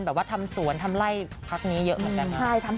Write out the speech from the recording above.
แบบว่าทำทางสวนทำไล่พรรคนี้เยอะมากจากกว่า